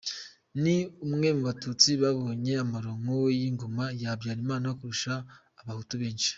Ni umwe mu Batutsi babonye amaronko y’ingoma ya Habyarimana kurusha n’Abahutu benshi.